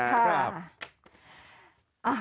ครับ